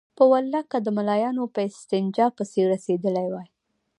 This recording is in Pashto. په والله که د ملايانو په استنجا پسې رسېدلي وای.